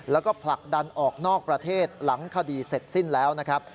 แล้วก็ผลักดันออกนอกประเทศหลังคดีเสร็จสิ้นแล้วนะครับ